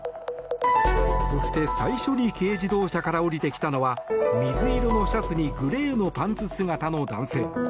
そして、最初に軽自動車から降りてきたのは水色のシャツにグレーのパンツ姿の男性。